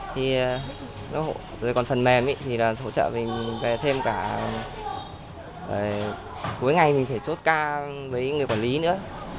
thì rồi còn phần mềm thì là hỗ trợ mình về thêm cả cuối ngày mình phải chốt ca với người quản lý nữa